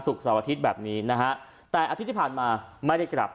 เสาร์อาทิตย์แบบนี้นะฮะแต่อาทิตย์ที่ผ่านมาไม่ได้กลับ